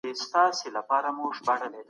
موږ نه غواړو چي بیا د قحطۍ سره مخ سو.